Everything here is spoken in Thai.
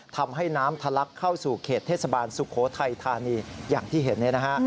ทำให้น้ำทะลักเข้าสู่เขตเทศบาลสุโขทัยธานีอย่างที่เห็นเนี่ยนะฮะ